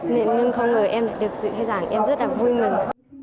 nên không ngờ em lại được dự khai giảng em rất là vui mừng